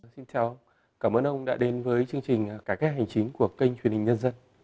xin chào cảm ơn ông đã đến với chương trình cải cách hành chính của kênh truyền hình nhân dân